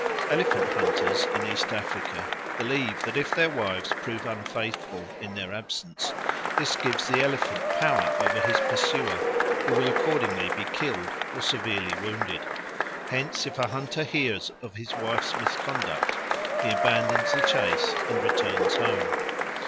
Elephant hunters in East Africa believe that, if their wives prove unfaithful in their absence, this gives the elephant power over his pursuer, who will accordingly be killed or severely wounded. Hence if a hunter hears of his wife's misconduct, he abandons the chase and returns home.